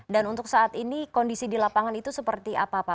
dan untuk saat ini kondisi di lapangan itu seperti apa